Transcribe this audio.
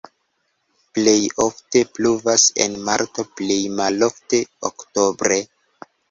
Plej ofte pluvas en marto, plej malofte oktobre.